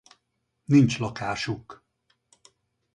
Nincs lakásuk.